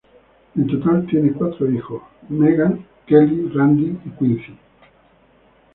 En total, tiene cuatro hijos: Meghan, Kelly, Randy y Quincy.